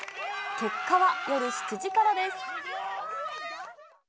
結果は夜７時からです。